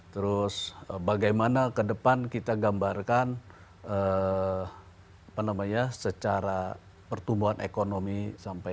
terus bagaimana kedepan kita gambarkan apa namanya secara pertumbuhan ekonomi sampai